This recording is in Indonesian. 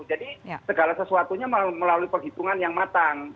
jadi segala sesuatunya melalui perhitungan yang matang